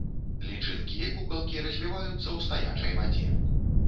Лічынкі і кукалкі развіваюцца ў стаячай вадзе.